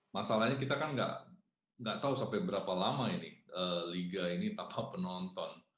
masalahnya kita kan nggak tahu sampai berapa lama ini liga ini tanpa penonton